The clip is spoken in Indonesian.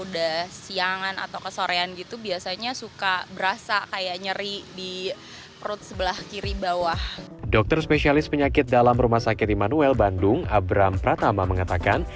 dokter spesialis penyakit dalam rumah sakit immanuel bandung abram pratama mengatakan